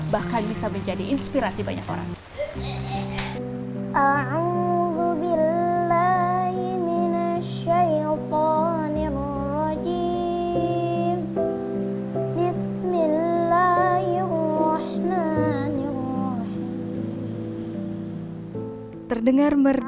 bahkan bisa menjadi inspirasi banyak orang